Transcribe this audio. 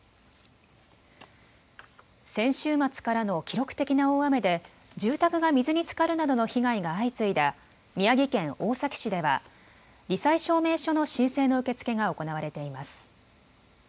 先週末からの記録的な大雨で住宅が水につかるなどの被害が相次いだ宮城県大崎市ではり災証明書の申請の受け付けが行われています。